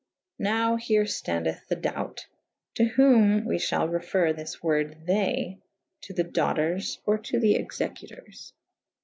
Now here ftandeth the dout / to whom we fhall referre this worde they / to the doughters / or to the executours.